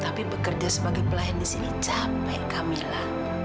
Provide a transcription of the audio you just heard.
tapi bekerja sebagai pelayan disini capek kamila